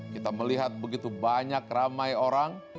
kita melihat begitu banyak ramai orang